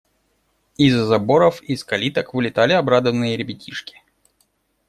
Из-за заборов, из калиток вылетали обрадованные ребятишки.